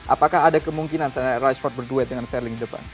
apakah ada kemungkinan saya riceford berduet dengan sterling di depan